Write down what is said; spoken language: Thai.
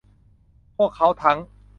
พวกเขาทั้ง